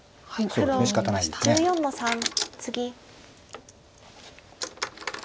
黒１４の三ツギ。